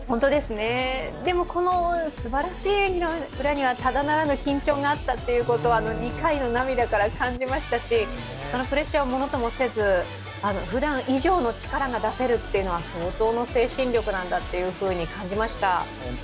でも、このすばらしい縁起の裏にはただならぬ緊張があったということは２回の涙から感じましたしそのプレッシャーをものともせずふだん以上の力が出せるというのは相当な精神力だと感じました。